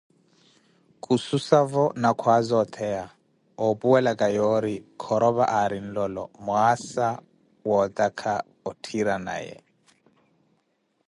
Khususavo na khwaaza otheya, oopuwelaka yoori Khoropa aari nlolo mwaasa wootakha otthira nawe.